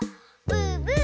ブーブー。